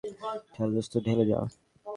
ঠেল দোস্ত, ঠেলে যা।